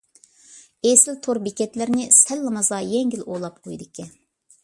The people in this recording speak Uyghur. ئېسىل تور بېكەتلەرنى سەللىمازا يەڭگىل ئۇلاپ قويىدىكەن.